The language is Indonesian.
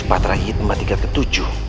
aku akan menangkapmu